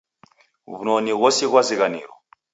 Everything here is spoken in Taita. W'unoni ghose ghwazighaniro.